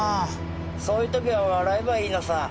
そういう時は笑えばいいのさ。